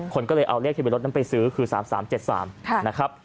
คนก็เลยเอาเลขทะเบียรถนั้นไปซื้อคือ๓๓๗๓นะครับ